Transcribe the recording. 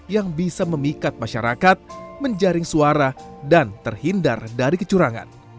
yang bisa memikat masyarakat menjaring suara dan terhindar dari kecurangan